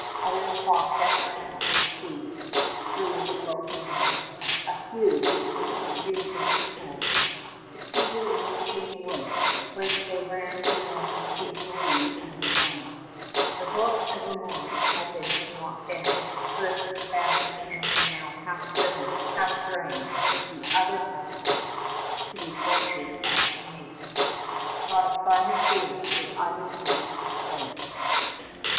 Others fought desperately to escape through the broken walls. A few, in the confusion and smoke, succeeded in reaching the woods, whence they ran to warn Ste. Marie on the Wye. Brébeuf and Lalemant had been knocked down, stripped, bound, and were now half driven, half dragged, with the other captives to be tortured at Ignace. Not a sign of fear did either priest betray.